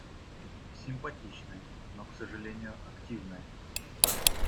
Симпатичная, но к сожалению, активная.